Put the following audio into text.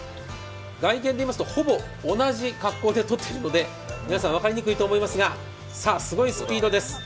外見でいいますと、ほぼ同じ格好でとっているので皆さん分かりにくいと思いますが、すごいスピードです。